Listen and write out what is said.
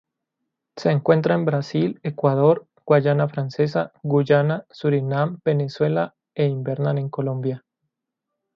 Se encuentra en Brasil, Ecuador, Guayana Francesa, Guyana, Surinam Venezuela e invernan en Colombia.